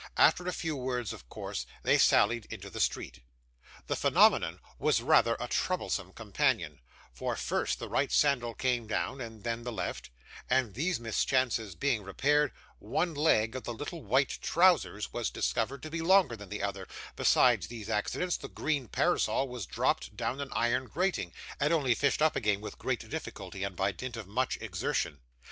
After a few words of course, they sallied into the street. The phenomenon was rather a troublesome companion, for first the right sandal came down, and then the left, and these mischances being repaired, one leg of the little white trousers was discovered to be longer than the other; besides these accidents, the green parasol was dropped down an iron grating, and only fished up again with great difficulty and by dint of much exertion.